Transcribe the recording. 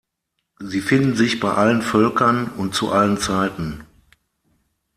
Sie finden sich bei allen Völkern und zu allen Zeiten.